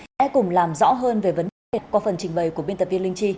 hãy cùng làm rõ hơn về vấn đề qua phần trình bày của biên tập viên linh chi